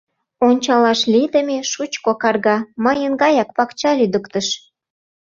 — Ончалаш лийдыме шучко карга — мыйын гаяк пакча лӱдыктыш.